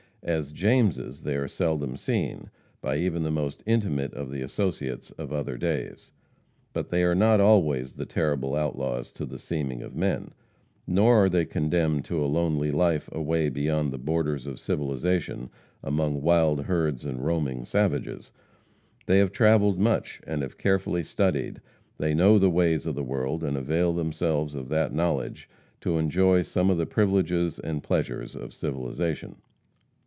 As Jameses they are seldom seen, by even the most intimate of the associates of other days. But they are not always the terrible outlaws to the seeming of men. Nor are they condemned to a lonely life away beyond the borders of civilization among wild herds and roaming savages. They have travelled much, and have carefully studied; they know the ways of the world, and avail themselves of that knowledge to enjoy some of the privileges and pleasures of civilization.